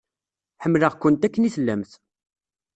Ḥemmleɣ-kent akken i tellamt.